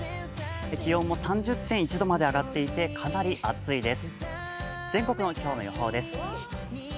気温も３０．１度まで上がっていてかなり暑いです。